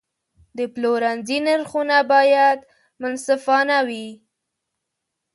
د پلورنځي نرخونه باید منصفانه وي.